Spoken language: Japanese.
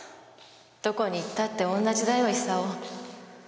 どこに行ったって同じだよ功。